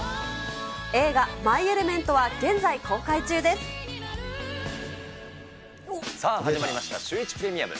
映画、マイ・エレメントは現さあ始まりました、シュー１プレミアム。